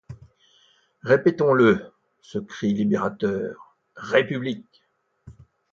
Répétons-le, ce cri libérateur République!